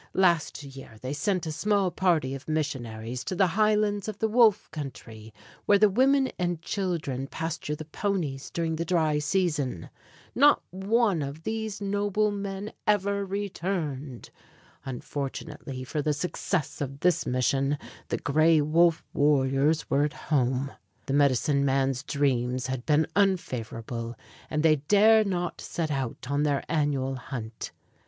Last year they sent a small party of missionaries to the highlands of the Wolf country, where the women and children pasture the ponies during the dry season. Not one of these noble men ever returned. Unfortunately for the success of this mission, the Gray Wolf warriors were at home. The medicine man's dreams had been unfavorable, and they dared not set out on their annual hunt.